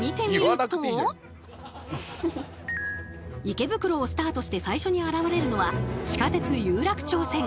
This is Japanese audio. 池袋をスタートして最初に現れるのは地下鉄有楽町線。